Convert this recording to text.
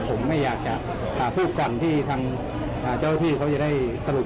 ผมไม่อยากจะพูดก่อนที่ทางเจ้าที่เขาจะได้สรุป